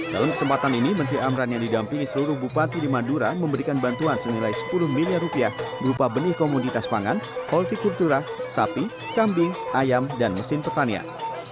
dalam kesempatan ini menteri amran yang didampingi seluruh bupati di madura memberikan bantuan senilai sepuluh miliar rupiah berupa benih komoditas pangan holti kultura sapi kambing ayam dan mesin pertanian